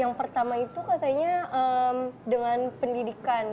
yang pertama itu katanya dengan pendidikan